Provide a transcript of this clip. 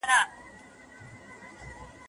ما یي کمرونو کي لعلونه غوښتل